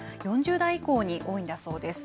４０代以降に多いんだそうです。